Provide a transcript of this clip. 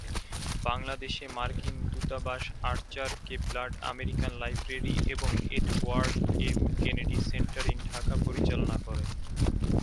বাংলাদেশে মার্কিন দূতাবাস Archer K Blood American Library এবং Edward M Kennedy Centre in Dhaka পরিচালনা করে।